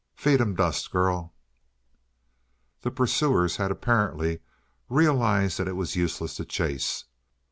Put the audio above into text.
Feed 'em dust, girl!" The pursuers had apparently realized that it was useless to chase.